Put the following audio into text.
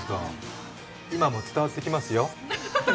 今も伝わってきますよ。